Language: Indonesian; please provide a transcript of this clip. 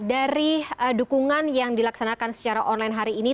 dari dukungan yang dilaksanakan secara online hari ini